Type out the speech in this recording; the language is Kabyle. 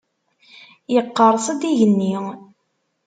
Yeqqers-d igenni.